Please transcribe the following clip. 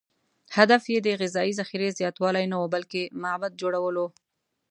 هدف یې د غذایي ذخیرې زیاتوالی نه و، بلکې معبد جوړول و.